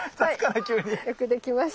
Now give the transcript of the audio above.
よくできました。